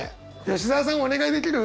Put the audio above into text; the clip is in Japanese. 吉澤さんお願いできる？